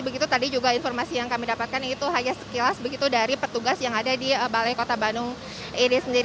begitu tadi juga informasi yang kami dapatkan itu hanya sekilas begitu dari petugas yang ada di balai kota bandung ini sendiri